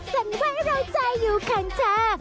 สั่นไว้เราใจอยู่ข้างจ้า